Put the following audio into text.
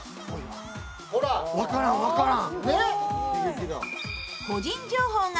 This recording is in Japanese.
分からん、分からん！